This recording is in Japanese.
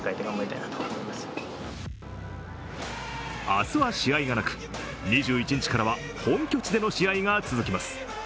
明日は試合がなく、２１日からは本拠地での試合が続きます。